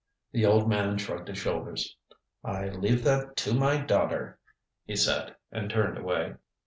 The old man shrugged his shoulders. "I leave that to my daughter," he said, and turned away.